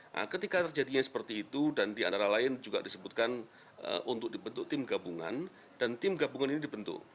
nah ketika terjadinya seperti itu dan di antara lain juga disebutkan untuk dibentuk tim gabungan dan tim gabungan ini dibentuk